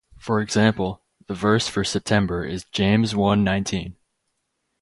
For example, the verse for September is James One Nineteen